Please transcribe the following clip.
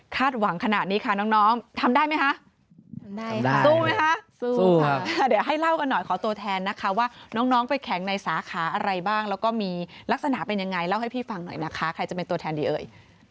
หวังขนาดนี้ค่ะน้องทำได้ไหมคะทำได้ค่ะสู้ไหมคะสู้ค่ะเดี๋ยวให้เล่ากันหน่อยขอตัวแทนนะคะว่าน้องไปแข็งในสาขาอะไรบ้างแล้วก็มีลักษณะเป็นยังไงเล่าให้พี่ฟังหน่อยนะคะใครจะเป็นตัวแทนดีเอ่ย